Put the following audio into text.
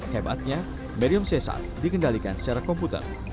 hebatnya meriam cesar dikendalikan secara komputer